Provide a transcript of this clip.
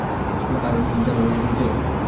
আর জানো আমি কি করেছিলাম?